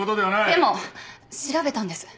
でも調べたんです。